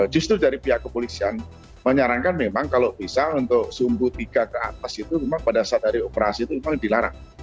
justru dari pihak kepolisian menyarankan memang kalau bisa untuk sumbu tiga ke atas itu memang pada saat dari operasi itu memang dilarang